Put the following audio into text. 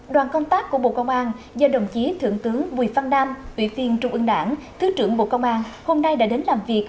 đoàn công tác của bộ công an do đồng chí thượng tướng bùi văn nam ủy viên trung ương đảng thứ trưởng bộ công an hôm nay đã đến làm việc